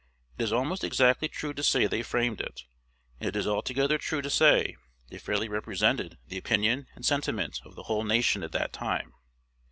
It is almost exactly true to say they framed it; and it is altogether true to say they fairly represented the opinion and sentiment of the whole nation at that time.